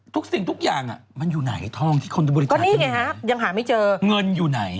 ทุกสิ่งทุกอย่างมันอยู่ไหนทองที่คนบุริษัทอยู่ไหน